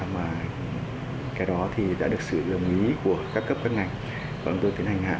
mà cái đó thì đã được sự đồng ý của các cấp các ngành và chúng tôi tiến hành hạ